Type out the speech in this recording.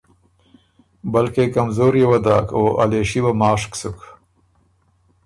بلکې کمزوريې وه داک او ا لېݭی وه ماشک سُک۔